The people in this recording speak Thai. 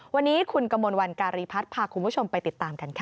วันนี้คุณกมลวันการีพัฒน์พาคุณผู้ชมไปติดตามกันค่ะ